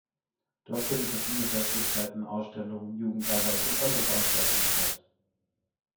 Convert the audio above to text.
Dort finden verschiedene Festlichkeiten, Ausstellungen, Jugendarbeit und andere Veranstaltungen statt.